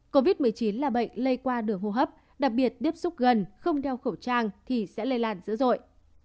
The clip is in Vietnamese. covid một mươi chín là bệnh lây qua đường hô hấp đặc biệt tiếp xúc gần không đeo khẩu trang thì sẽ lây lan dữ dội